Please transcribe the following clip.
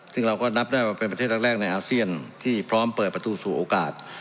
ซึ่งเราก็นับได้ว่าเป็นประเทศแรกในอาเซียนที่พร้อมเปิดประตูสู่โอกาส